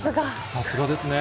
さすがですね。